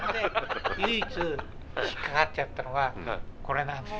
唯一引っかかっちゃったのはこれなんです。